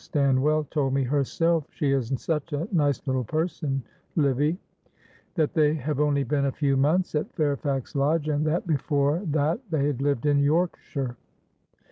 Stanwell told me herself she is such a nice little person, Livy that they have only been a few months at Fairfax Lodge, and that before that they had lived in Yorkshire.